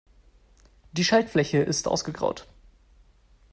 Die Schaltfläche ist ausgegraut.